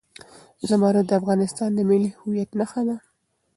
زمرد د افغانستان د ملي هویت نښه ده.